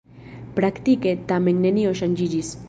Praktike tamen nenio ŝanĝiĝis.